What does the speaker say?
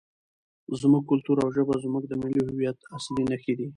زموږ کلتور او ژبه زموږ د ملي هویت اصلي نښې دي.